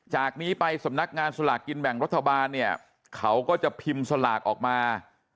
จากนี้ไปสำนักงานสลากกินแบ่งรัฐบาลเนี่ยเขาก็จะพิมพ์สลากออกมา